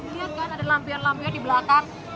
lihat kan ada lampian lampian di belakang